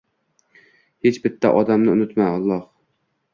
Hech bitta odamni unutma, Alloh.